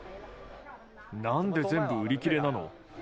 なんで全部売り切れなの？